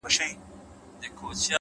علم د عقل جوړښت پیاوړی کوي؛